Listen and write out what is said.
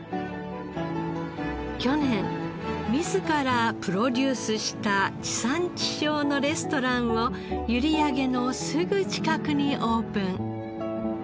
去年自らプロデュースした地産地消のレストランを閖上のすぐ近くにオープン。